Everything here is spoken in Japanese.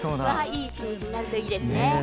いい一日になるといいですね。